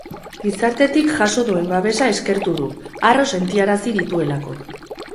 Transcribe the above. Gizartetik jaso duen babesa eskertu du, harro sentiarazi dituelako.